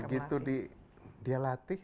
dan begitu dia latih